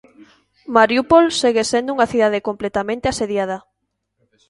Mariúpol segue sendo unha cidade completamente asediada.